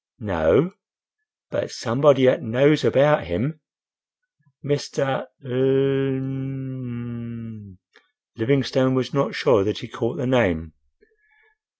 "No; but somebody 'at knows about him." "Mr. L—m—m—" Livingstone was not sure that he caught the name.